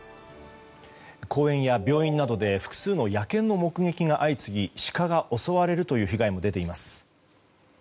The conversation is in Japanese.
公園や病院などで複数の野犬の目撃が相次ぎシカが襲われるという被害も出ています。